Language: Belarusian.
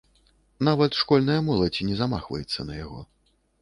Нават школьная моладзь не замахваецца на яго.